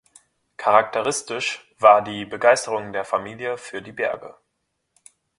Charakteristisch war die Begeisterung der Familie für die Berge.